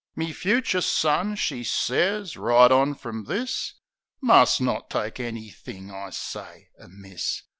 "Me fucher son," she sez, "right on frum this Must not take anythink I say amiss.